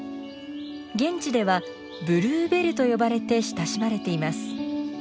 現地ではブルーベルと呼ばれて親しまれています。